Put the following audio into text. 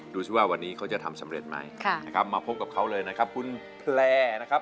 ดูสิว่าวันนี้เขาจะทำสำเร็จไหมนะครับมาพบกับเขาเลยนะครับคุณแพลร์นะครับ